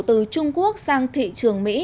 từ trung quốc sang thị trường mỹ